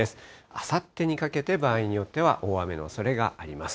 あさってにかけて、場合によっては大雨のおそれがあります。